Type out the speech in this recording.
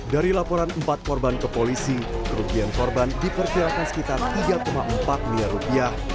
dari laporan empat korban ke polisi kerugian korban diperkirakan sekitar tiga empat miliar rupiah